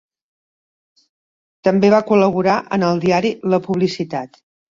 També va col·laborar en el diari La Publicitat.